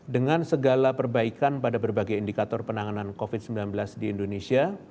dengan segala perbaikan pada berbagai indikator penanganan covid sembilan belas di indonesia